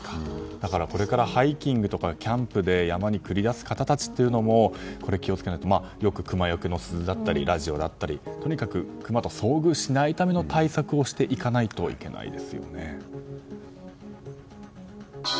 だからこれからハイキングとかキャンプで山に繰り出す方たちも気を付けないとよくクマよけの鈴だったりラジオだったりとにかくクマと遭遇しないための対策をしていかないといけないですよね。